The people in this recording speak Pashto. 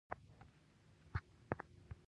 تاسو به کله خپل کلي ته راشئ